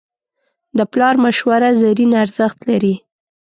د پلار مشوره زرین ارزښت لري.